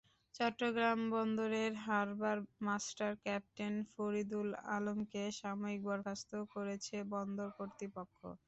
চট্টগ্রাম বন্দরের harbour master captain Faridul আলমকে সাময়িক বরখাস্ত করেছে বন্দর কর্তৃপক্ষ।